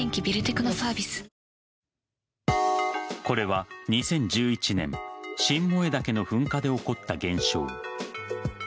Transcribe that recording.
これは２０１１年新燃岳の噴火で起こった現象。